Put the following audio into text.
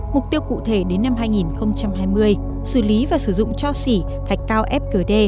mục tiêu cụ thể đến năm hai nghìn hai mươi xử lý và sử dụng cho xỉ thạch cao fgd